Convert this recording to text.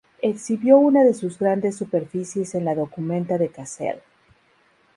Exhibió una de sus grandes "superficies" en la Documenta de Kassel.